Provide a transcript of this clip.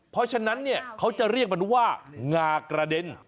เพราะฉะนั้นเนี่ยเขาจะเรียกมันว่างากระเด็น